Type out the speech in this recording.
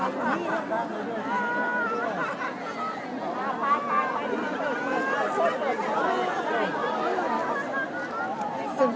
และที่อยู่ด้านหลังคุณยิ่งรักนะคะก็คือนางสาวคัตยาสวัสดีผลนะคะ